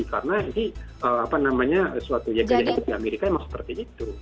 karena ini apa namanya suatu yang di amerika memang seperti itu